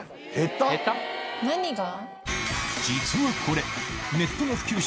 何が？